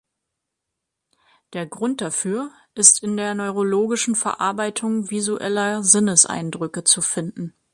Der Grund dafür ist in der neurologischen Verarbeitung visueller Sinneseindrücke zu finden.